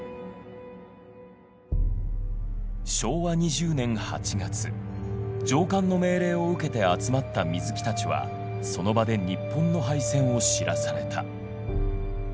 昭和２０年８月上官の命令を受けて集まった水木たちはその場で日本の敗戦を知らされた。